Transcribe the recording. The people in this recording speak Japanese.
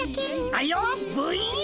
あいよっブイン！